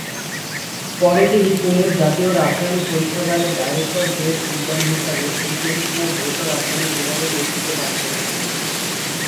পরে তিনি পুনের জাতীয় রাসায়নিক পরীক্ষাগার এর ডাইরেক্টর গ্রেড বিজ্ঞানী হিসাবে এই প্রতিষ্ঠানের ভৌত রসায়ন বিভাগের নেতৃত্ব দান করেছিলেন।